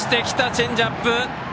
チェンジアップ。